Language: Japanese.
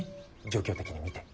状況的に見て。